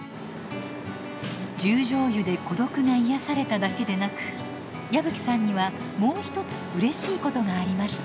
十條湯で孤独が癒やされただけでなく矢吹さんにはもう一つうれしいことがありました。